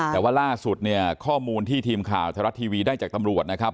แต่ว่าล่าสุดเนี่ยข้อมูลที่ทีมข่าวไทยรัฐทีวีได้จากตำรวจนะครับ